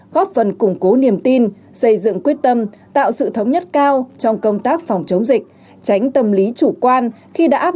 góp phần củng cố niềm tin xây dựng quyết tâm tạo sự thống nhất cao trong công tác phòng chống dịch